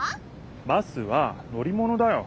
バスはのりものだよ。